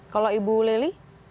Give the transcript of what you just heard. kalau ibu lely